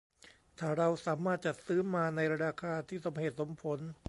ถ้าเราสามารถจัดซื้อมาในราคาที่สมเหตุสมผล